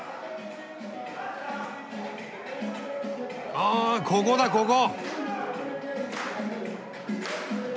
あここだここ！